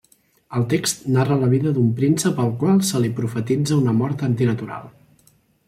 El text narra la vida d'un príncep al qual se li profetitza una mort antinatural.